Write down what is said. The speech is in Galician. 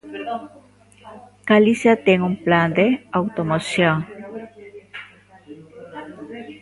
Galicia ten un plan de automoción.